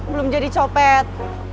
belum jadi copet